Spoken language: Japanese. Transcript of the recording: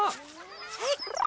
はい。